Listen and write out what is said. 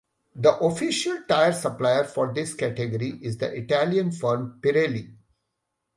The official tire supplier for this category is the Italian firm Pirelli.